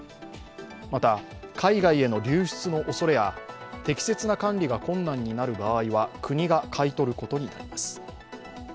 また、海外への流出のおそれや適切な管理が困難な場合は国が買い取ることになります。